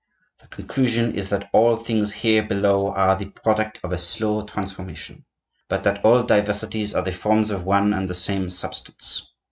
The conclusion is that all things here below are the product of a slow transformation, but that all diversities are the forms of one and the same substance.